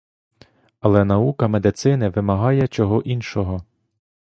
Але наука медицини вимагає чого іншого.